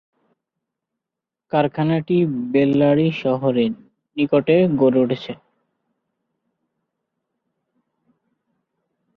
কারখানাটি বেল্লারী শহরের নিকটে গড়ে উঠেছে।